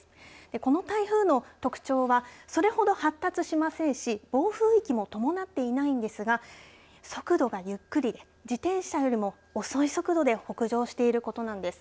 この台風の特徴はそれほど発達しませんし暴風域も伴っていないんですが速度がゆっくり自転車よりも遅い速度で北上していることなんです。